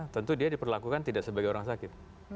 tentu dia diperlakukan tidak sebagai orang sakit